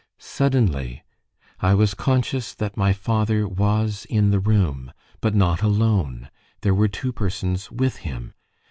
Suddenly I was conscious that my father was in the room, but not alone: there were two persons with him.